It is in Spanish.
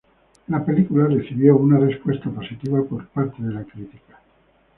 La película recibió una respuesta positiva por parte de la crítica.